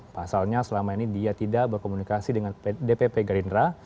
pasalnya selama ini dia tidak berkomunikasi dengan dpp gerindra